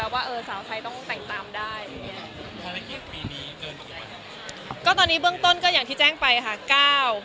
วันนี้เบื้องต้นก็อย่างที่แจ้งไปค่ะ๙๑๑๑๒๑๓ค่ะ